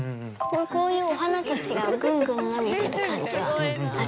こういうお花たちがぐんぐん伸びてる感じはある。